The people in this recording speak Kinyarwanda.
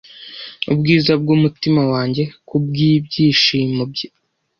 ubwiza bwumutima wanjye kubwibyishimo bye